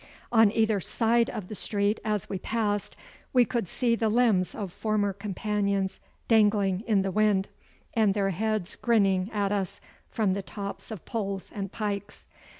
On either side of the street, as we passed, we could see the limbs of former companions dangling in the wind, and their heads grinning at us from the tops of poles and pikes.